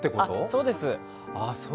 そうです。